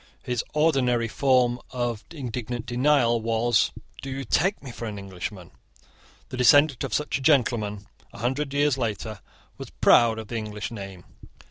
His ordinary form of indignant denial was "Do you take me for an Englishman?" The descendant of such a gentleman a hundred years later was proud of the English name.